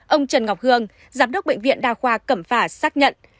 ông trần ngọc hương giám đốc bệnh viện đa khoa cẩm phả xác nhận